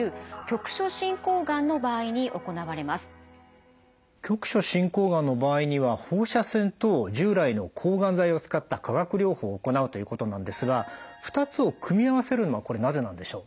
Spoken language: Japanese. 局所進行がんの場合には放射線と従来の抗がん剤を使った化学療法を行うということなんですが２つを組み合わせるのはこれなぜなんでしょう？